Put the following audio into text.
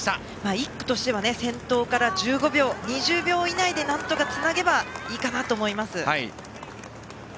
１区としては先頭から１５秒から２０秒以内で何とかつなげばいいかなと思います。